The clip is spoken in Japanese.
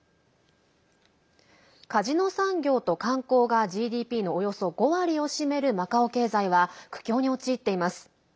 カジノ産業と観光がＧＤＰのおよそ５割を占めるマカオ経済は苦境に陥っています。